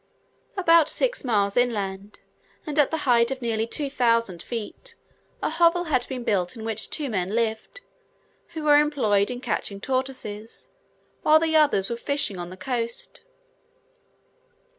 About six miles inland, and at the height of nearly 2000 feet, a hovel had been built in which two men lived, who were employed in catching tortoises, whilst the others were fishing on the coast.